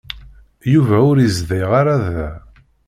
Yuba ur izdiɣ ara da.